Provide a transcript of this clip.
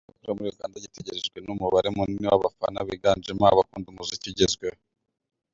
Igitaramo bazakorera muri Uganda gitegerejwe n’umubare munini w’abafana biganjemo abakunda umuziki ugezweho.